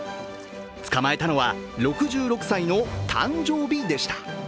捕まえたのは６６歳の誕生日でした。